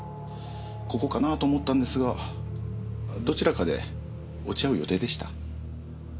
ここかなと思ったんですがどちらかで落ち合う予定でした？